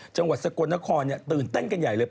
จังหวัดสกลนครตื่นเต้นกันใหญ่เลย